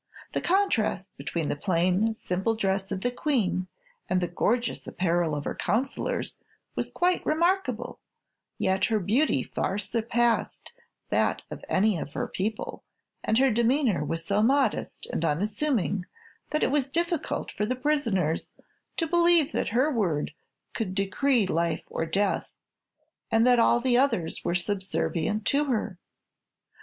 The contrast between the plain, simple dress of the Queen and the gorgeous apparel of her Counselors was quite remarkable, yet her beauty far surpassed that of any of her people and her demeanor was so modest and unassuming that it was difficult for the prisoners to believe that her word could decree life or death and that all the others were subservient to her.